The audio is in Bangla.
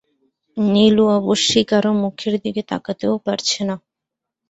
নীলু অবশ্যি কারো মূখের দিকে তাকাতেও পারছে না।